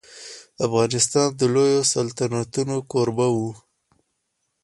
افغانستان د لويو سلطنتونو کوربه و.